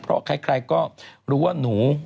เพราะใครก็รู้ว่าหนู